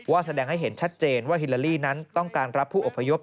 แสดงให้เห็นชัดเจนว่าฮิลาลีนั้นต้องการรับผู้อพยพ